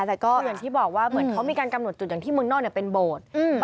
แต่ก็อย่างที่บอกว่าเหมือนเขามีการกำหนดจุดอย่างที่เมืองนอกเป็นโบสถ์